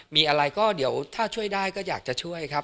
มีอะไรก็เดี๋ยวถ้าช่วยได้ก็อยากจะช่วยครับ